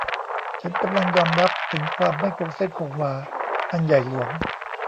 ฉันกำลังยอมรับถึงความไม่คงเส้นคงวาอันใหญ่หลวง